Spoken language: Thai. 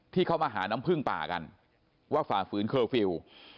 ที่เขามาหาน้ำพึ่งป่ากันว่าฝ่าฝืนเคอร์ฟิลล์